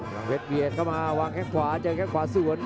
พลังเพชรเวียนเข้ามาวางแค่ขวาเจอแค่ขวาส่วน